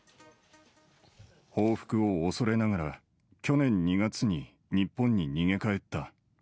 報復を恐れながら、去年２月に日本に逃げ帰った。